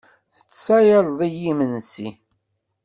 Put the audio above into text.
Tettsayaleḍ-iyi imensi.